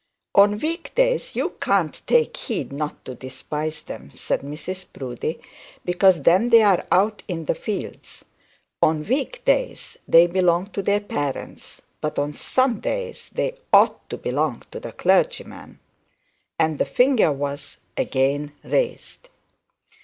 'On week days you can't take heed not to despise them,' said Mrs Proudie, 'because they are out in the fields. On week days they belong to their parents, but on Sundays they ought to belong to the clergyman.' And the finger was again raised.